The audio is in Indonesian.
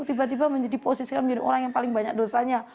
tiba tiba diposisikan menjadi orang yang paling banyak dosanya